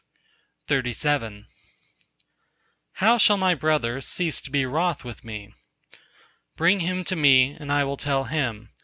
XXXVIII "How shall my brother cease to be wroth with me?" Bring him to me, and I will tell him.